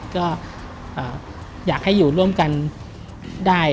ก็อยากให้อยู่ร่วมกันได้